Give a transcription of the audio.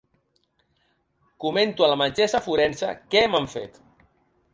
Comento a la metgessa forense què m’han fet.